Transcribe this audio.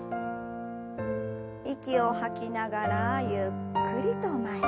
息を吐きながらゆっくりと前。